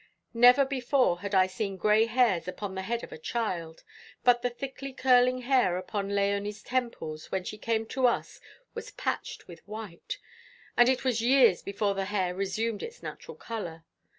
Never before had I seen gray hairs upon the head of a child, but the thickly curling hair upon Léonie's temples when she came to us was patched with white; and it was years before the hair resumed its natural colour.